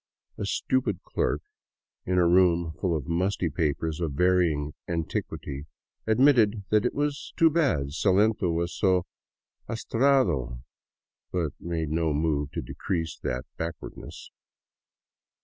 A stupid clerk in a room full of musty papers of varying antiquity admitted it was too bad Salento was so atrasado, but made no move to decrease that backwardness.